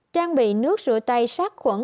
trang bị nước rửa tay sát khuẩn